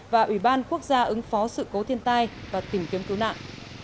và ủy ban quốc gia ứng phó sự cố thiên tai và tìm kiếm cứu nạn